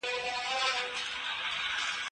بد ملګري نږدې کيږي.